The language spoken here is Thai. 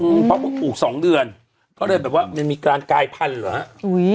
อืมเพราะว่าปลูกปลูกสองเดือนก็เลยแบบว่ามันมีการกลายพันธุ์เหรออุ้ย